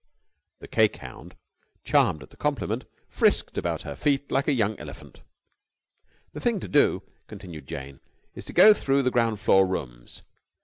The cake hound, charmed at the compliment, frisked about her feet like a young elephant. "The first thing to do," continued Jane, "is to go through the ground floor rooms...."